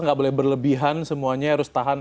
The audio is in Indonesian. nggak boleh berlebihan semuanya harus tahan